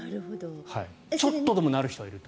ちょっとでもなる人はいると。